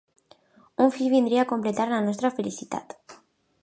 Un fill vindria a completar la nostra felicitat.